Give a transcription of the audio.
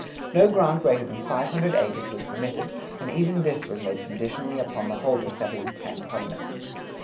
No grant greater than five hundred acres was permitted, and even this was made conditionally upon the holder settling ten colonists.